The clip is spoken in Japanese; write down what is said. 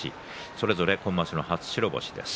それぞれ今場所の初白星です。